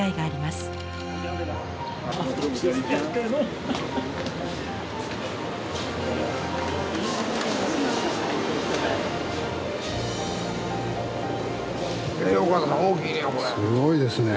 ・すごいですね。